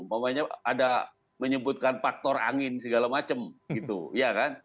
pokoknya ada menyebutkan faktor angin segala macam gitu ya kan